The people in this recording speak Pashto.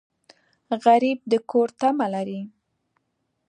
غریب د کور تمه لري